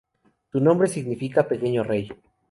Su nombre significa "pequeño rey".